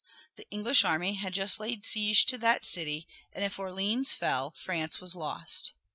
The English army had just laid siege to that city, and if Orleans fell France was lost.